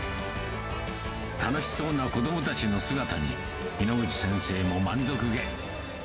楽しそうな子どもたちの姿に、猪口先生も満足気。